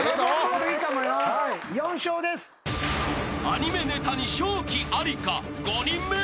［アニメネタに勝機ありか？］